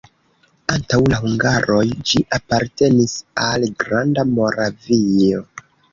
Antaŭ la hungaroj ĝi apartenis al Granda Moravio.